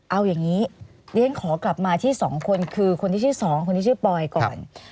เอาอย่างนี้เรียนขอกลับมาที่๒คนคือคนที่ชื่อสองคนนี้ชื่อปอยก่อน